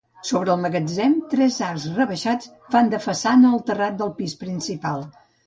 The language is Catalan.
Sobre el magatzem tres arcs rebaixats fan de façana al terrat del pis principal.